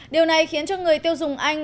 điều này khiến cho người tiêu dùng anh